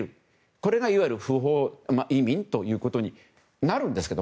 これがいわゆる不法移民ということになるんですけど